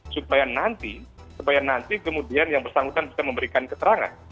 supaya nanti kemudian yang bersangkutan bisa memberikan keterangan